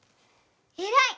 えらい！